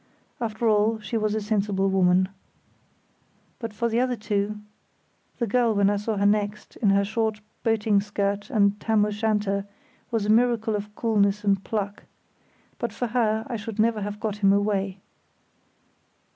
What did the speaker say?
After all, she was a sensible woman. As for the other two, the girl when I saw her next, in her short boating skirt and tam o' shanter, was a miracle of coolness and pluck. But for her I should never have got him away.